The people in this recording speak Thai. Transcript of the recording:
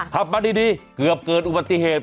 ขับมาดีเกือบเกิดอุบัติเหตุ